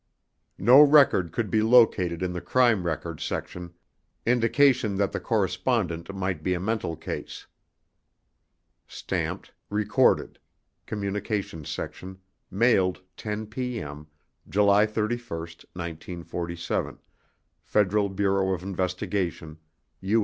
No record could be located in the Crime Records Section indication that the correspondent might be a mental case. [Stamped: RECORDED COMMUNICATIONS SECTION MAILED 10 P.M. JUL 31 1947 FEDERAL BUREAU OF INVESTIGATION U.